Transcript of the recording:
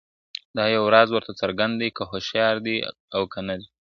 دا یو راز ورته څرګند دی که هوښیار دی او که نه دی ,